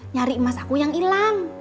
nyari emas aku yang hilang